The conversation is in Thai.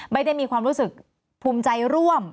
ไม่ได้มีความรู้สึกภูมิใจร่วม